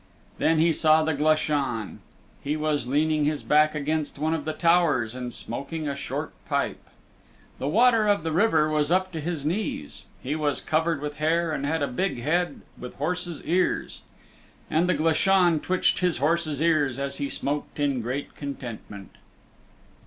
Then he saw the Glashan. He was leaning his back against one of the Towers and smoking a short pipe. The water of the river was up to his knees. He was covered with hair and had a big head with horse's ears. And the Glashan twitched his horse's ears as he smoked in great contentment.